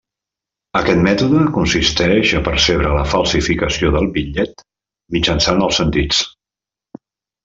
Aquest mètode consisteix a percebre la falsificació del bitllet mitjançant els sentits.